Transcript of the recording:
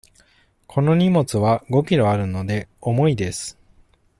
この荷物は五キロあるので、重いです。